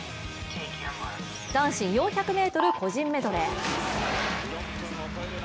男子４００ｍ個人メドレー。